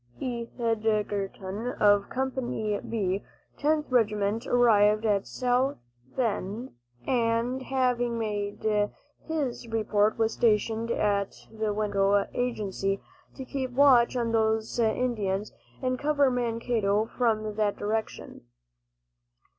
Edgerton of Company "B," Tenth Regiment, arrived at South Bend, and having made his report, was stationed at the Winnebago agency, to keep watch on those Indians and cover Mankato from that direction.